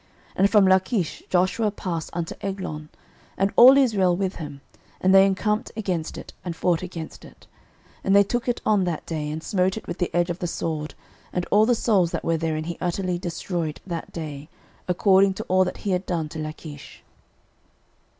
06:010:034 And from Lachish Joshua passed unto Eglon, and all Israel with him; and they encamped against it, and fought against it: 06:010:035 And they took it on that day, and smote it with the edge of the sword, and all the souls that were therein he utterly destroyed that day, according to all that he had done to Lachish.